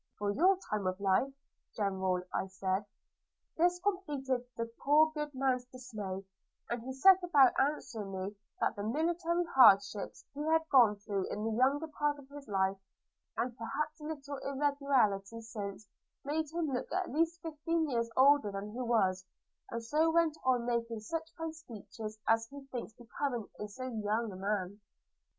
'For your time of life, General!' I said, – This completed the poor good man's dismay; and he set about assuring me, that the military hardships he had gone through in the younger part of his life, and perhaps a little irregularity since, made him look at least fifteen years older than he was, and so went on making such fine speeches as he thinks becoming in so young a man.'